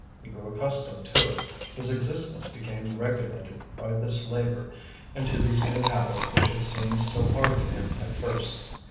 He grew accustomed to it; his existence became regulated by this labour and to these new habits which had seemed so hard to him at first.